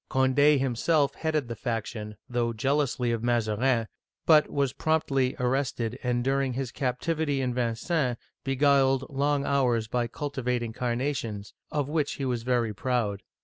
Condd himself headed the faction, through jealousy of Mazarin, but Was promptly arrested, and during his captivity in Vincennes beguiled long hours by cultivating carnations, of which he was very proud.